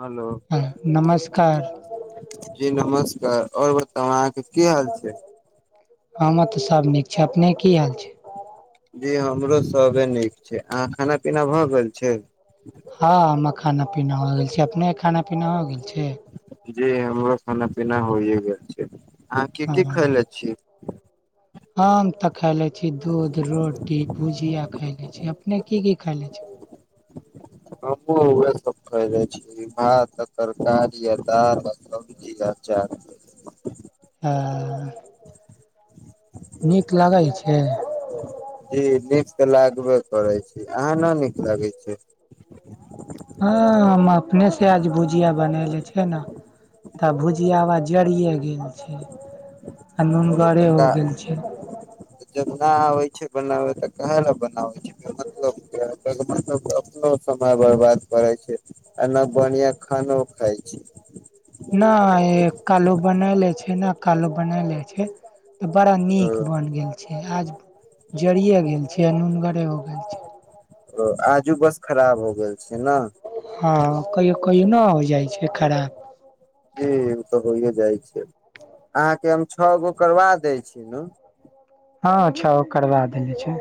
hello नमस्कार जी नमस्कार आओर बताउ अहाँके की हाल छै हमर तऽ सब नीक छै अपने की हाल छै जी हमरो सबे नीक छै अहाँ खाना पीना भए गेल छै हँ ह खाना पीना हो गेल छै अपने खाना पीना हो गेल छै जी हमरो खाना पीना होइए गेल छै अहाँ की हँ की खायले छीयै हम तऽ खाय ले छी दूध रोटी भुजिया खायले छी अपने की की खायले छी हम उह सब कहे छीर कारीार किदा चार ह नीक लागै छै जी नीक तऽ लागबे करै छी अहाँ न नीक लगे छै हँ हम अपने से आज भुजिया बनैले छियै न तऽ भुजियाबा जरिये गेल छै आ जब नुनगरे हो न गेल छै आबै छै बनावै तऽ कहे ल बनाबै छै [unintelligible] मतलब अपनो समय बर्बाद करे छै ऐ ना बढ़िया खानो खाय छै नहि कालो बना लै छै ने कालो बना ले छै तऽ बड़ा नीक बन गेल छै आज जड़िये गेल छै नुनगरे हो गेल छै ओ आजू बस खराब हो गेल छै न हँ कहियो कहियो न हो जाइ छै खराब जी ओ तऽ होइे जाइ छै अहाँके हम छ गो करबा दै छी न हँछगो करबा देल छै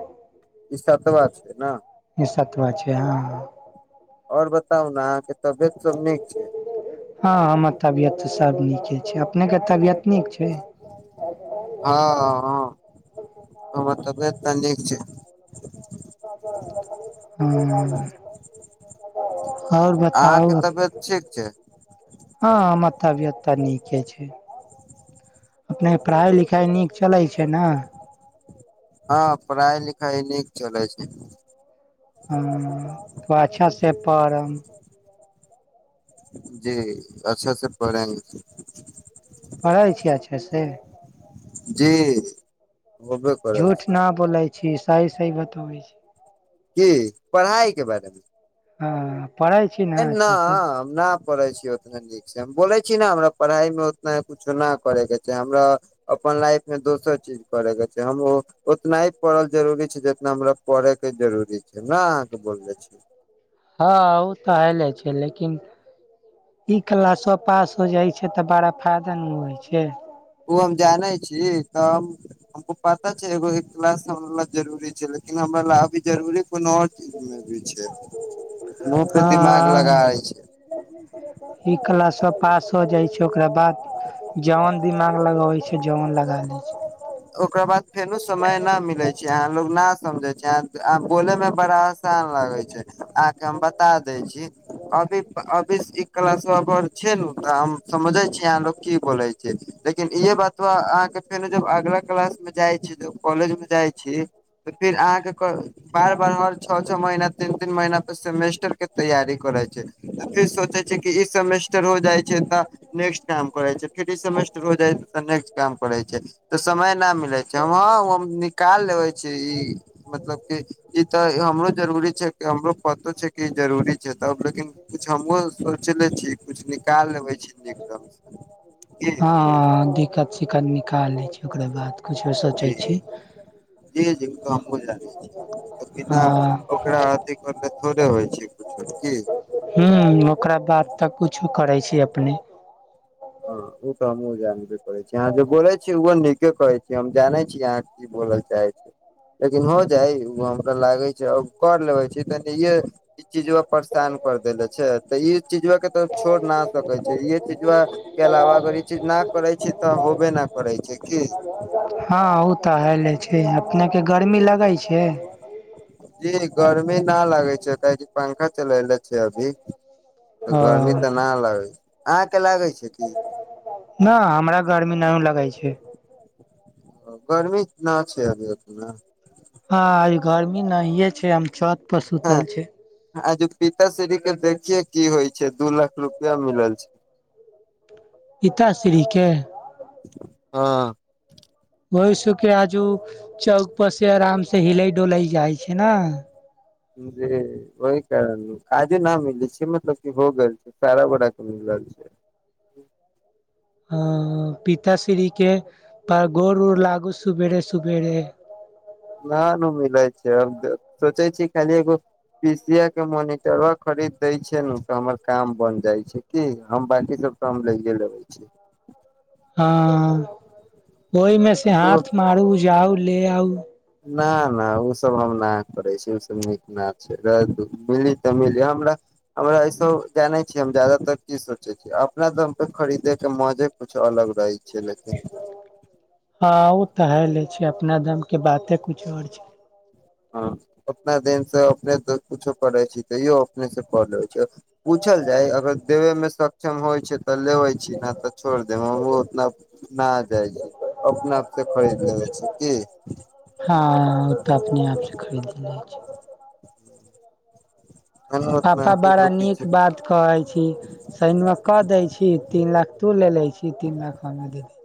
ईसतबा छै न ई सतवा छै हँ और बताउ न अहाँके तबियत सब नीक छै हँ हमर तबियत तऽ सब नीके छै अपने के तबियत नीक छै [inaudible] ओ तबियत तऽ नीक छै हू आओर अहाँके बताउ तबियत ठीक छै हँ हमर तबिय तऽ नीके छै अपने पढ़ाइ लिखाइ नीक चलै छै न हँ पढ़ाइ लिखाइ नीक चलै छै त अच्छा से पढ़म जी अच्छा से पढ़ेंगे पढ़ै छियै अच्छा से जी होबे करै झूठ छै न बोलै छी सही सही बतबै छी की पढ़ाई के बारेमे ह पढ़ैय छै ए ना हम ना पढ़ै छीयै ओतने ठीक हम बोलै छी ने हमरा पढ़ाई मे उतना कुछो नहि करे के छै हमरा अपन लाइफ मे दोसर चीज परयके छै हम ओतना ही पढ़ल जरूरी छै जितना हमरा पढ़े के जरूरी छै न अहाँ के बोलले छी हँ ओ तऽ हायले छै लेकिन इ क्लासो पास हो जाय छै तऽ बड़ा फायदा न होइ छै ओ हम जानै छी तऽ हम हमको पता छै एगो एक क्लास हमरा लए जरूरी छै लेकिन हमरा लए अभी जरूरी कोनो आओर चीज भी छै मुह पे दिमाग हँ लगा यै छै ई क्लास पास हो जाइ छै ओकरा बाद जोयन दिमाग लगाबै छै जओन लगा लै छै ओक बाद फेनो समय न मिलै छै अहाँ लोग न समझे छै बोलैमे बड़ा आसान लागे छै आहांके हम बता दै छै अभी अभी ई कलासवा बड छै न तऽ आ समझय छै आ लोक की बोलै छै लेकिन इे बात बाअहाँके फेर अगला क्लास मे जाइ छी ज कॉलेज मे जाइ छी तऽ फिर अहाँके बार बार हमर छ छ महिना तीन तीन महिना पर सेमेस्टर के तैयरी करै छै फिर सोचै छै कि ई सेमेस्टर हो जाइ छै तऽ नेक्स्ट टाईम करै छै सेमेस्टर हो जाइ त नेस्ट काम करै छै समय न मिलै छै हम निकाल लेबे छी ई मतलब कि ई तऽ हमरो जरूरी छै हमरो पतो छै कि जरूरी छै त लेकिन कछु हमहुँ सोचले छी कछु निकाल लेबै छी एकदम जी हँ दिक्कत सिक्कत निकालै छै ओकरे बात करै छी सोचै जी छी जी जी ओ तऽ हमहुँ हँ एकरा अथी करले थोड़े होइ छै कुछो की ह ओकरा बाद तऽ कुछो करै छी अपने हँ ओ तऽ हम जानबे करै छीय अहाँ जे बोले छीय ओहो नीके कहै छी हम जानै छी अहाँ की बल चाहै छै लेकिन हो जाइ ओ हमरा लागै छै आ कर लेबे छी तनिे ई चीज परेशान कर देेले छै तऽ ई चीज के तो छोड़ न सकै छै ई चीज के अलावा अगर ई चीज न करे छी तऽ होबे न करे छै की हँ ओ तऽ हले छै अपनेके गर्मी लगैत छै जी गर्मी न लागै छै काहि पंखा चलले छै अभी तऽ गर्मी तऽ न लगै छै अहाँके लागै छै की न हमरा गरमी नहि लगै छै गरमी न छै अभी बत ने ह गर्मी नहिे छै हम छत पर हँ सुतल छै आ जे पिताश्री के देखिये की होइ छै दू लाख रुपआ मिलल छै पाताश्रीके हँ ओहि सुखी आजू चौक पर से आराम से हिलै डुलै जाइ छै ने जी ओहि कारण काजे न मिलै छै मतलब क हो गेल छै सारा बड़ा के मिलल छै अ पीताश्री के पर गोर उर लागू सवेरे सवेरे न न मिलै छै सोचै छी खाली एगो पीसिया के मोनिटरो खरीद देय छै ने त हमर काम बन जाय छै की हम बाकी सब क हम लैये लेबै छी हँ ओहिमे से एको हाथ मारू जाउ ले आउ न नहि ओ सब हम न करै छी ओसभ नीक न छै मिली तऽ मिली हमरा हमरा स जाने छी हम जदातर की सोचे छी अपना दाम पे खरीदे के मजे कुछ अलग रहे छै च ल हँ ओ तऽ हे ले छै अपना दाम के बाते कुछ आर छै हँ अपना देिन से अपने कुछो करै छी तैयो अपने से कलइ छै पूछल जाय अगर देबेमे सक्षम होइ छै तऽ लेबै छी नहि तऽ छोड़ देब हमर उतना न जाइ छी अपना आप से खरीद लेबै छी की हँ ओ तऽ अपने आप से खरीद जा छै हम उतना पापा बड़ा केकरो नीक पीछे बात कहै छी सन कऽ दै छी तीन लाख तू ले लै छी तीन लाख कहमे दीदी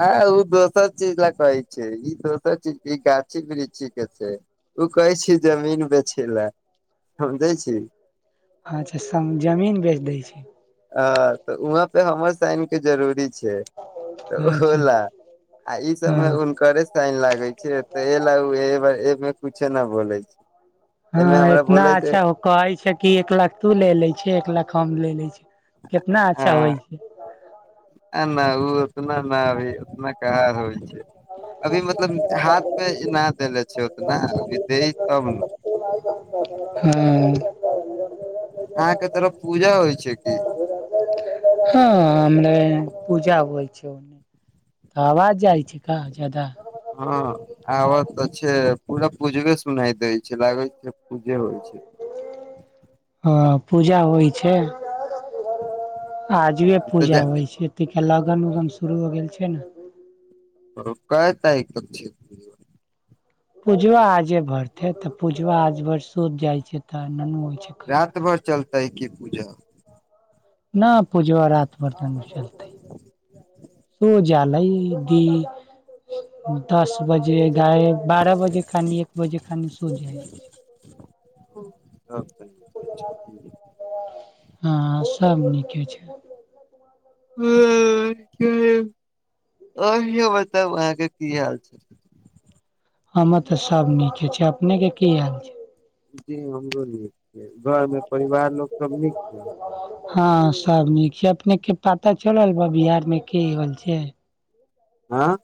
हँ ओ दोसर चीज ल कहै छै ई दोसर चीज ई गाछी वृक्षी के छै ओ कहै छी जमीन बेचै लए समझै छी अच्छा जमीन बेच दै छी अ तऽ वहाँ पे हमर साइन के जरूरी छै तऽ अच्छा ओहोला आ ई सबमे हँ हुनकरे साइन लागे छै त लमे कुछे न बोले छै एमे हँ हमरा इतना बोले छै अच्छा हो कहै छै कि एक लाख तू ले ले छ एक लाख हम ले ले छी कितना आ अच्छा होइ छै आ नहि ओ उतना नहि अभ उतना कह होइ छै अभी मतलब हाथ मे न देेले छै ओतना अभी दै तब ने हँ अहाँके तोरफ पूजा होइ छै की हँ हमरा पूजा होइ छै आवाज जाइ छै का जादा हँ आबत तऽ छै पूरा पूजबे सुनाई देै छै लागै छै पूजे होइ छै हँ पूजा होइ छै आ दूए पूजा होइ छै तइका लगन उगन शुरू हो गेल छै न कय तारिख तक छै पुजुआ आजे भरि तऽ पुजुआ आज भरि सुत जाइ छै तऽ ननू होइ छै कहे रात भर चलतै की पूजा ना पूजवा रात भर तऽ न चलतै जालै दी दस बजे गाय बारह बजे खानि एक बजे खानि सुत जाइ [unintelligible] [inaudible] हँ सब नीके छै [unintelligible] आहि बताउ अहाँके की हाल छै हमर त सब नीके छै अपने के की हाल छै जी हमरो नीक छै घर मे परिवार लोक सब नीक छै हँ सब नीक छै अपने के पता चलल बा बिहार मे कि होल छै आँ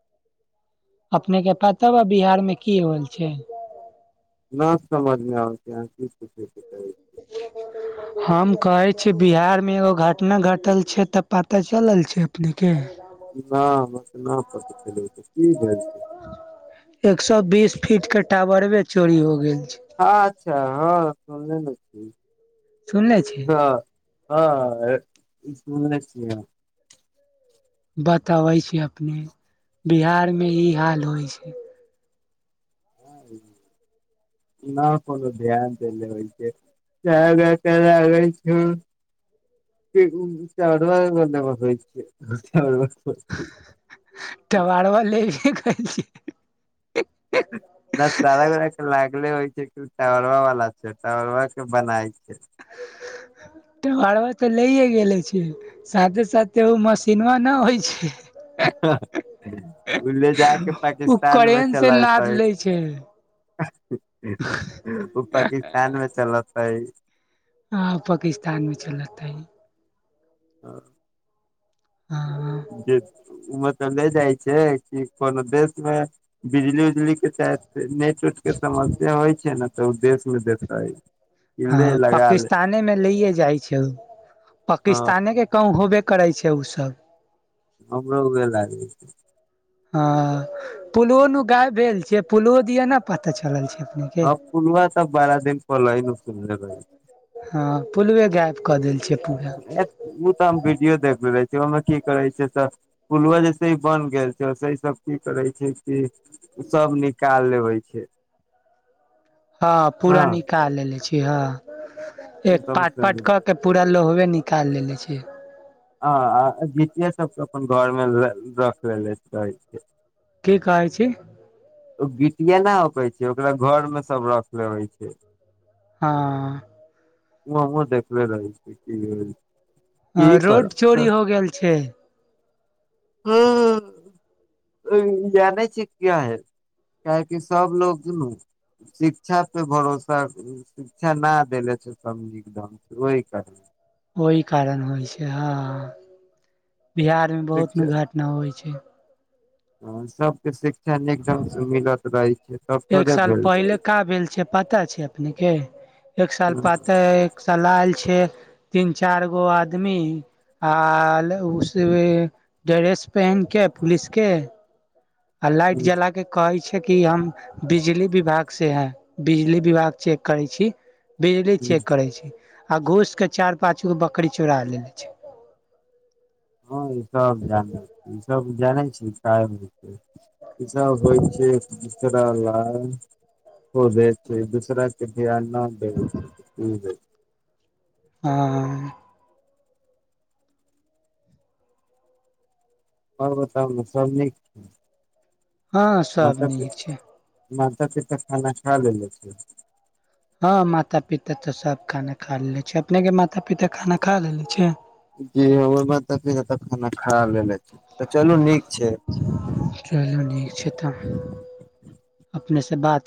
अपने के पता बा बिहार मे की होल छै न समझमे आब छै [unintelligible] [inaudible] हम कहै छी बिहारमे एगो घटना घटल छै तऽ पता चलल छै अपनेके न हमरा तऽ न पता चलल छै की भेल छै एक सौ बीस फीट के टावरबे चोरी हो गेल छै अच्छा हँ सुनल न छी सुनले छी हँ हँ ई सुनने छिये हम बतबै छी अपने बिहार मे ई हाल होइ छै न कोनो ध्यान छै होई छै [unintelligible] [unintelligible] [inaudible] टबड़बा ले गेल कैसे [unintelligible] लागले होइ छै की टबरवा वाला छै टबरवा के बनाय छै [inaudible] टाबरबा तऽ लैए गेलै छै साथे साथे उ मशीनवा नऽ होइ छै ओ ले जााक ओ पाकिस्तान मे करेन से लाद चलतै लै छै उ पाकिस्तान मे चलतै हँ पाकिस्तान मे चलतै ओ हँ देखु उ मऽ चले जाइ छै कि कोनो देश मे बिजली उजली के [unintelligible] नेट उटके समस्या होइ छै न तऽ ओ देशमे देतै कि ले हँ लगा ले पाकिस्ताने मे लेेये जाइ छै उ हँ पाकिस्ताने के कम होबे करै छै उ सब हमर उहे लागै हँ पुलओ नु गायब भेल छ पुलओ दिया न पता चलल छै अपने के हँ पुलवा तऽ बारा दिन पलहि न सुनले रही हँ पुलवे गायब कऽ देल छियै ओ त आम वीडियो देखू रहै छै ओहिमे की करै छै तऽ पुलवा जैसे बन गेल छै से सब की करै छै कि सब निकाल लेबै छै हँ न पूरा निकाल लेले छी हँ एक एकदम पाट से पाट कऽ के पूरा लोहबे निकालि लेले छै आ जीत सबके अपन घर मे रखे ल रहै छै के कहै छी ओ गिटियए न होकै छै ओकरा घर मे सब रख लेै छै हँ ह हमो देखले लाग छै कि छै ह रोड चोरी हो गेल छै हूं जानै छै की ह काहेकि सब लोग न शिक्षा पे भरोसा शिक्षा ना देले छै समझ शुरू कर ओहि कारण होइ छै हँ बिहार मे बहुत दुर्घटना होइ छै ह सबके शिक्षा नीक ढंग से मिलत रहै छै तब एक थोड़े साल भेल रहे पहिले छै का भेल छै पता छै अपने के एक साल पताे चलायल छै तीन चार गो आदमी आ उस ड्रेस पहिनके पुलिस के आ लाइट जला के कहै छै कि हम बिजली विभाग से है बिजली विभाग चेक करै छी बिजली चेक करे छै आ घूस के चार पाँच गो बकरी चोरा लेे छै हँ ई सब जानै छी ई सब जानै छी क ई सब होइ छै दसरा ल हो द छै दुसरा भ न बे ह आ बताब ने सब नीक छै हँ म सब तब नीक छै माता पिता खाना खा लेले छै हँ माता पिता तऽ सब खाना खा लेले छै अपने के माता पिता खाना खा लेले छै जी ओहि त तब खाना खड़ा ले छी त चलू नीक छै चलू नीक छै तऽ अपने से बात